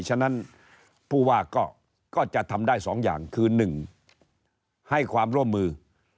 ฉะนั้นผู้ว่าก็จะทำได้๒อย่างคือ๑ให้ความร่วมมือ